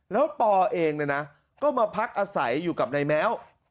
แล้วปอเองก็มาพักอาศัยอยู่กับในแม้ว